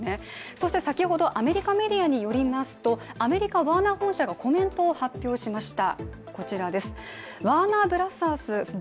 そして先ほどアメリカメディアによりますとアメリカ・ワーナー本社がコメントを発表しました。